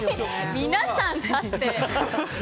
皆さん立って。